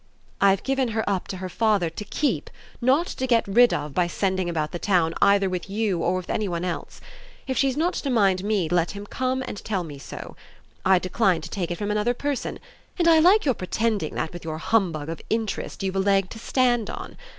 "I've given her up to her father to KEEP not to get rid of by sending about the town either with you or with any one else. If she's not to mind me let HIM come and tell me so. I decline to take it from another person, and I like your pretending that with your humbug of 'interest' you've a leg to stand on.